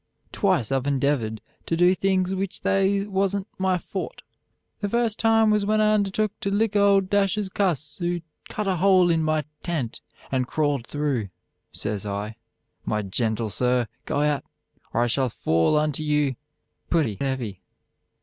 "Twice I've endevered to do things which they wasn't my Fort. The first time was when I undertook to lick a owdashus cuss who cut a hole in my tent and krawld threw. Sez I, 'My jentle sir, go out, or I shall fall onto you putty hevy.'